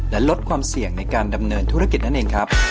และลดความเสี่ยงในการดำเนินธุรกิจนั่นเองครับ